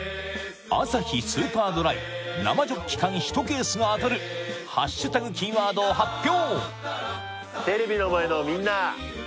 アサヒスーパードライ生ジョッキ缶１ケースが当たるハッシュタグキーワードを発表！